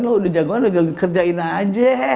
lu udah jago udah kerjain aja